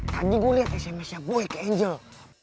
tadi gua liat sms nya boy ke angel